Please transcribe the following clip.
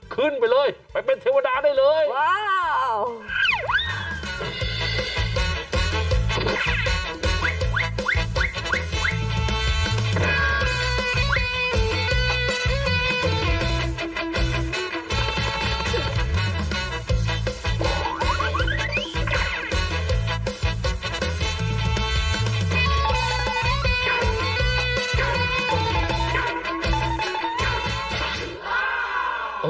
ขึ้นไปเลยไปเป็นเทวดาได้เลยว้าว